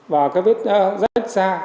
và cái vết ra